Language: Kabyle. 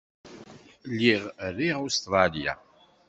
Lliɣ riɣ Ustṛalya.